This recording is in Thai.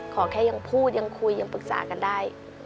ขอแค่ยังพูดยังคุยยังปรึกษากันได้